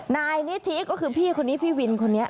นายนิธิก็คือพี่คนนี้พี่วินคนนี้